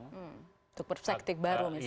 untuk perspektif baru misalnya